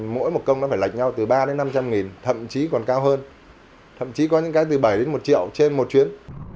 mỗi một công nó phải lạch nhau từ ba đến năm trăm linh thậm chí còn cao hơn